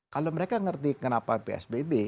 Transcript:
kalau mereka ngerti kenapa psbb